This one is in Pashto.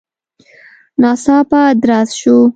ناڅاپه درز شو.